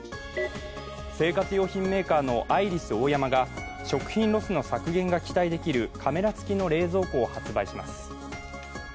生活用品メーカーのアイリスオーヤマが食品ロスの削減が期待できるカメラ付きの冷蔵庫を発売します。